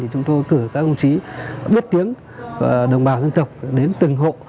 chúng tôi cử các công chí viết tiếng đồng bào dân tộc đến từng hộ